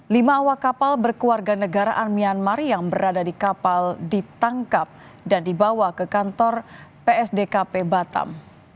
lima awak kapal berkeluarga negaraan myanmar yang berada di kapal ditangkap dan dibawa ke kantor psdkp batam